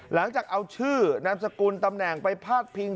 หลังจากเอาชื่อนามสกุลตำแหน่งไปพาดพิง